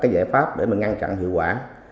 để mình ngăn chặn hiệu quả